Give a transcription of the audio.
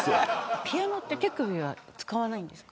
ピアノって手首は使わないんですか。